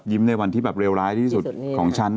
ในวันที่แบบเลวร้ายที่สุดของฉัน